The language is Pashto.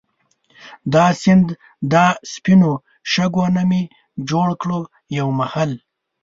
دا سیند دا سپينو شګو نه مي جوړ کړو يو محل